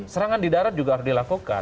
serangan di darat juga harus dilakukan